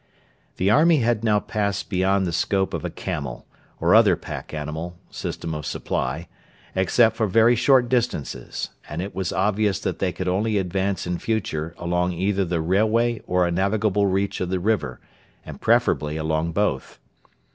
The army had now passed beyond the scope of a camel, or other pack animal, system of supply, except for very short distances, and it was obvious that they could only advance in future along either the railway or a navigable reach of the river, and preferably along both.